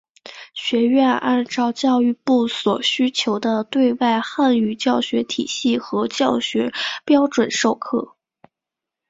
学院按照教育部所要求的对外汉语教学体系和教学标准授课。